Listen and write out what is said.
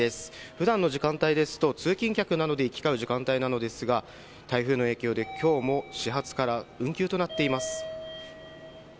ふだんの時間帯ですと、通勤客などで行き交う時間帯なのですが、台風の影響できょうも始発から運休となっています。